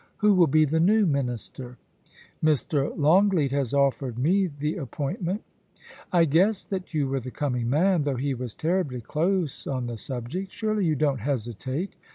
Who will be the new Minister ?*' Mr. Longleat has offered me the appointment' * I guessed that you were the coming man, though he was terribly close on the subject. Surely you don't hesitate.